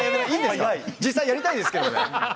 実際やりたいですけどね。